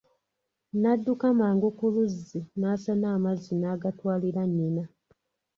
N'adduka mangu ku luzzi n'asena amazzi n'agatwalira nnyina.